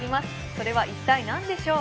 それは一体何でしょう？